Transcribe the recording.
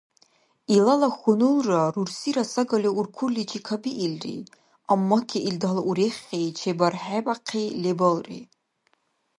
Илала хьунулра рурсира сагали уркурличи кабиилри, аммаки илдала урехи чебархӀебякьи лебалри